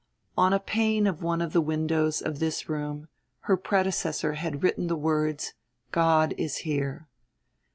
On a pane of one of the windows of this room her predecessor had written the words, "God is here."